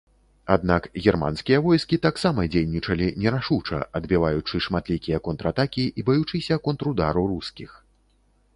Аднак германскія войскі таксама дзейнічалі нерашуча, адбіваючы шматлікія контратакі і баючыся контрудару рускіх.